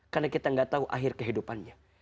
karena kita nggak tahu akhir kehidupannya